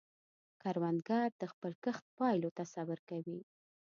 کروندګر د خپل کښت پایلو ته صبر کوي